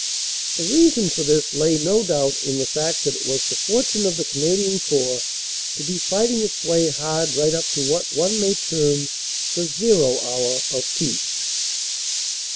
The reason for this lay, no doubt, in the fact that it was the fortune of the Canadian Corps to be fight ing its way hard right up to what one may term the "zero hour" of peace.